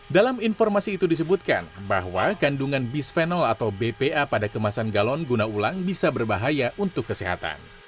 dalam informasi itu disebutkan bahwa kandungan bisphenol atau bpa pada kemasan galon guna ulang bisa berbahaya untuk kesehatan